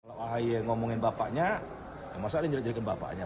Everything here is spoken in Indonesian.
kalau ahaya ngomongin bapaknya masa dia njerit jeritin bapaknya